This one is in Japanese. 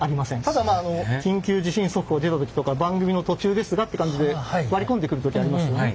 ただまあ緊急地震速報が出た時とか番組の途中ですがって感じで割り込んでくる時ありますよね。